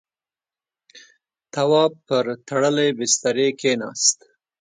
تواب پر تړلی بسترې کېناست.